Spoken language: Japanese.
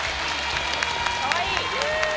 かわいい。